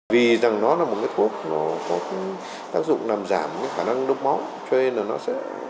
vì rằng nó là một cái thuốc nó có tác dụng làm giảm cái khả năng đốt máu cho nên là nó sẽ